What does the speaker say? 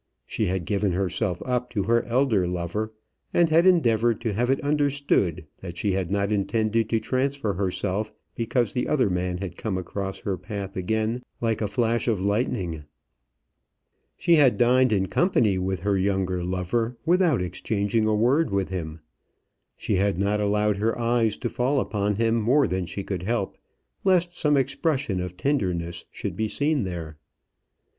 She had given herself up to her elder lover, and had endeavoured to have it understood that she had not intended to transfer herself because the other man had come across her path again like a flash of lightning. She had dined in company with her younger lover without exchanging a word with him. She had not allowed her eyes to fall upon him more than she could help, lest some expression of tenderness should be seen there.